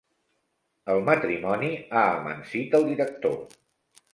El matrimoni ha amansit el director.